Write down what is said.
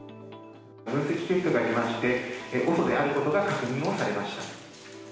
分析結果がありまして、ＯＳＯであることが確認をされました。